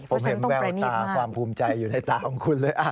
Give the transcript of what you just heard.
เพราะฉะนั้นต้องประณีดมากค่ะค่ะผมเห็นแววตาความภูมิใจอยู่ในตาของคุณเลย